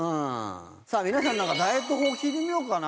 皆さんのダイエット法聞いてみようかな。